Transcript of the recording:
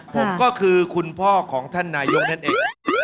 ผมก็คือคุณพ่อของท่านนายกนั่นเอง